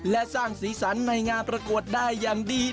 และสร้างสีสันในงานประกวดได้อย่างดี